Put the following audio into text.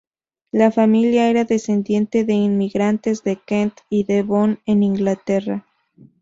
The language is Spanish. La familia era descendiente de inmigrantes de Kent y Devon en Inglaterra.